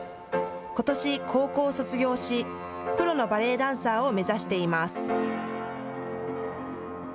ことし、高校を卒業しプロのバレエダンサーを目指しています。